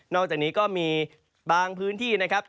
อกจากนี้ก็มีบางพื้นที่นะครับ